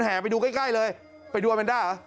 แหงไปดูใกล้เลยไปดูอาแมนด้า